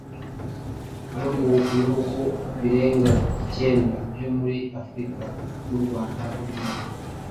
yo mu bihugu birenga ikenda byo muri Afurika, n’u Rwanda rurimo.